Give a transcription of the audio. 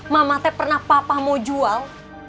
mama tuh pernah papa mau jual